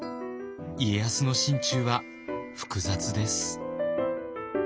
家康の心中は複雑です。